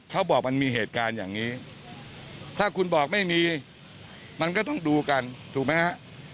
เขาบอกมันมีเหตุการณ์อย่างนี้ถ้าคุณบอกไม่มีมันก็ต้องดูกันถูกไหมฮะ